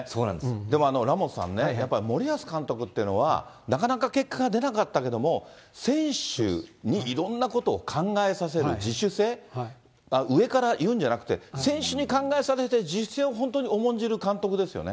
でもラモスさんね、森保監督というのは、なかなか結果が出なかったけども、選手にいろんなことを考えさせる自主性、上から言うんじゃなくて、選手に考えさせて、自主性を本当に重んじる監督ですよね。